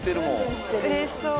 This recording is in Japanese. うれしそう。